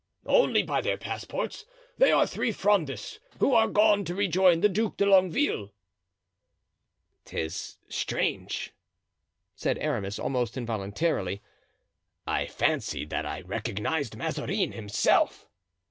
"Only by their passports; they are three Frondists, who are gone to rejoin the Duc de Longueville." "'Tis strange," said Aramis, almost involuntarily; "I fancied that I recognized Mazarin himself."